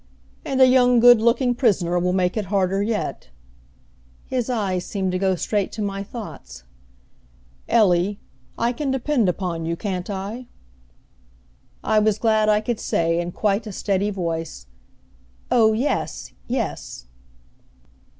"And a young good looking prisoner will make it harder yet." His eyes seemed to go straight to my thoughts. "Ellie, I can depend upon you, can't I?" I was glad I could say, in quite a steady voice, "Oh, yes, yes!"